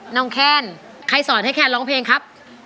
น้องแคนใครสอนให้แคนร้องเพลงครับ